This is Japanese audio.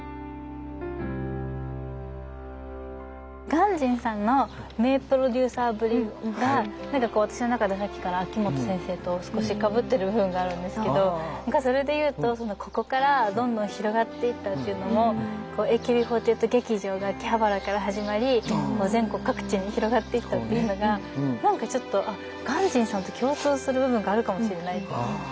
鑑真さんの名プロデューサーぶりが何かこう私の中でさっきから秋元先生と少しかぶってる部分があるんですけどそれでいうとここからどんどん広がっていったっていうのもＡＫＢ４８劇場が秋葉原から始まり全国各地に広がっていったっていうのが何かちょっと鑑真さんと共通する部分があるかもしれないって。